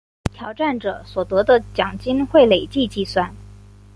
挑战者所得的奖金会累积计算。